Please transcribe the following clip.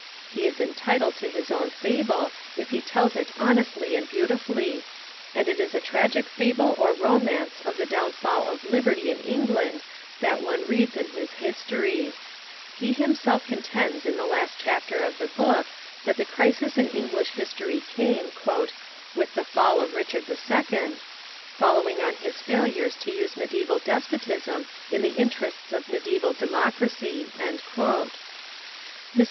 He is entitled to his own fable, if he tells it honestly and beautifully; and it is as a tragic fable or romance of the downfall of liberty in England that one reads his History. He himself contends in the last chapter of the book that the crisis in English history came "with the fall of Richard II, following on his failures to use mediaeval despotism in the interests of mediaeval democracy." Mr.